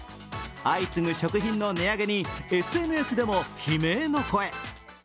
相次ぐ食品の値上げに、ＳＮＳでも悲鳴の声。